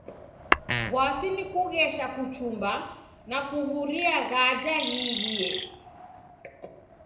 W'asi ni kughesha kuchumba na kuw'uria ghaja ghiidie.